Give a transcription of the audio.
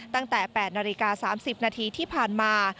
ตั้งแต่๘นาฬิกา๓๐นาทีที่ผ่านมา